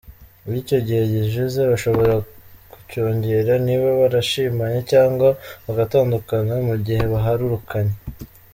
Iyo icyo gihe gishize, bashobora kucyongera niba barashimanye cyangwa bagatandukana mu gihe baharurukanywe.